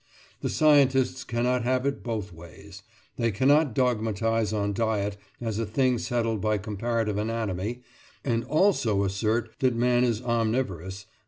The scientists cannot have it both ways. They cannot dogmatise on diet as a thing settled by comparative anatomy, and also assert that man is "omnivorous"—_i.